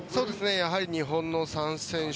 やはり、日本の３選手